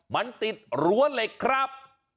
มันติดรั้วเหล็กครับ